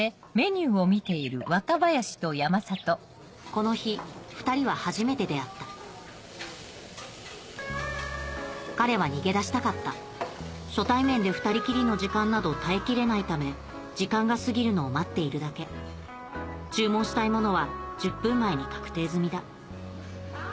この日ふたりは初めて出会った彼は逃げ出したかった初対面で２人きりの時間など耐えきれないため時間が過ぎるのを待っているだけ注文したいものは１０分前に確定済みだ